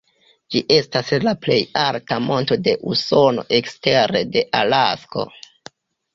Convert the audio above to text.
Ĝi estas la plej alta monto de Usono ekstere de Alasko.